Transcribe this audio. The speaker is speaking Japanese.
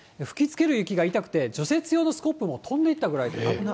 吹きつける雪が痛くて、除雪用のスコップも飛んでいったぐらいと。